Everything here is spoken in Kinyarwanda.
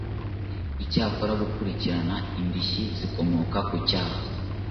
Icyakora gukurikirana indishyi zikomoka ku cyaha